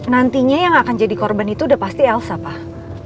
nantinya yang akan jadi korban itu udah pasti elsa pak